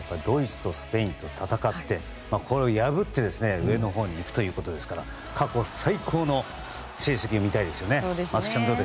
ドイツとスペインと戦ってこれを破って上のほうに行くということですから過去最高の成績を見たいですよね。